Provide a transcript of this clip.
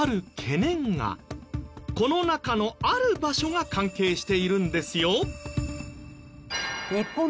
この中のある場所が関係しているんですよ。